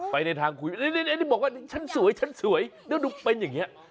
ไปในทางคุยนี่บอกว่าฉันสวยฉันสวยแล้วดูเป็นอย่างนี้